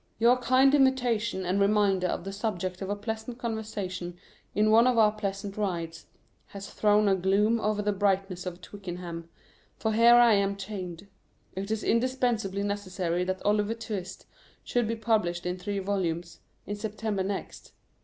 Your kind invitation and reminder of the subject of a pleasant conversation in one of our pleasant rides, has thrown a gloom over the brightness of Twickenham, for here I am chained. It is indispensably necessary that "Oliver Twist" should be published in three volumes, in September next.